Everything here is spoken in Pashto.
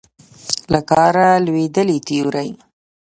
له کاره لوېدلې تیورۍ